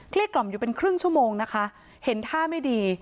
กล่อมอยู่เป็นครึ่งชั่วโมงนะคะเห็นท่าไม่ดี